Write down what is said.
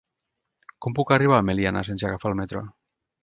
Com puc arribar a Meliana sense agafar el metro?